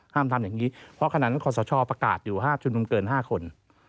ห้ามทำอย่างนี้เพราะขณะนั้นคอสชประกาศอยู่๕ชั่วโมงเกิน๕คน